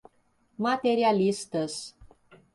materialistas